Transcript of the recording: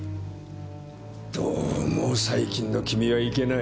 どうも最近の君はいけない。